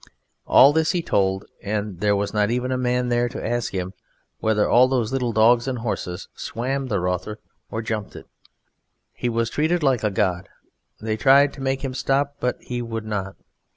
All this he told, and there was not even a man there to ask him whether all those little dogs and horses swam the Rother or jumped it. He was treated like a god; they tried to make him stop but he would not.